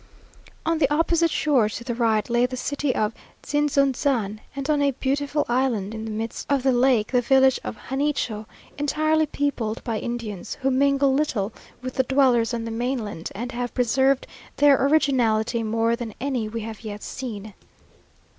On the opposite shore, to the right, lay the city of Tzinzunzan; and on a beautiful island in the midst of the lake the village of Janicho, entirely peopled by Indians, who mingle little with the dwellers on the mainland, and have preserved their originality more than any we have yet seen.